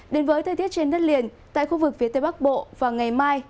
đến với thời tiết trên đất liền tại khu vực phía tây bắc bộ và ngày mai